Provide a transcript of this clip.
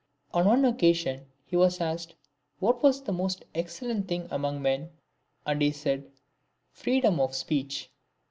On one occasion he was asked, what was the most excellent thing among men; and he said, "Freedom of speech."